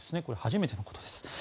これは初めてのことです。